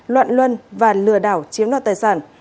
luận luân và lừa đảo chiếm đoạt tài sản